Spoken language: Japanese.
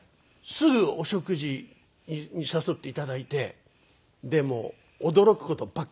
すぐお食事に誘って頂いてでもう驚く事ばっかりで。